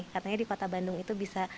katanya di kota bandung itu bisa